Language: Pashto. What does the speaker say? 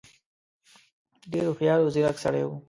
ډېر هوښیار او ځيرک سړی وو.